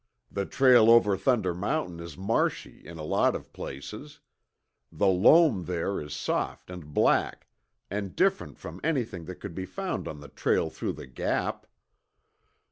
The trail over Thunder Mountain is marshy in a lot of places. The loam there is soft and black, and different from anything that could be found on the trail through the Gap.